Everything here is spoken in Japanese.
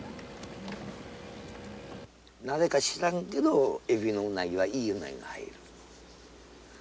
なぜか知らんけどエビのウナギはいいウナギが入る。